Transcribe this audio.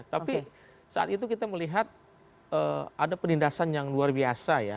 tapi saat itu kita melihat ada penindasan yang luar biasa ya